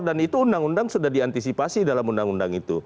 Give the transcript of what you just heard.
dan itu undang undang sudah diantisipasi dalam undang undang itu